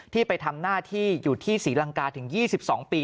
ไปทำหน้าที่อยู่ที่ศรีลังกาถึง๒๒ปี